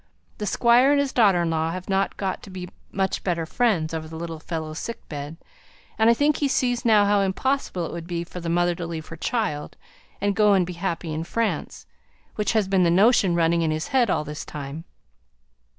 "The Squire and his daughter in law have got to be much better friends over the little fellow's sick bed; and I think he sees now how impossible it would be for the mother to leave her child, and go and be happy in France, which has been the notion running in his head all this time.